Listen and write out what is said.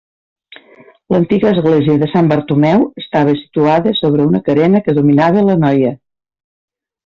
L'antiga església de Sant Bartomeu estava situada sobre una carena que dominava l'anoia.